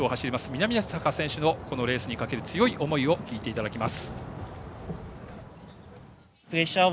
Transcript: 南坂選手のこのレースにかける強い思いを聞いていただきます。